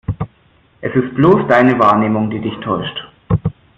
Es ist bloß deine Wahrnehmung, die dich täuscht.